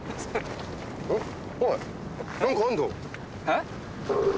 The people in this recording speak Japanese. えっ？